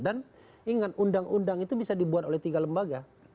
dan ingat undang undang itu bisa dibuat oleh tiga lembaga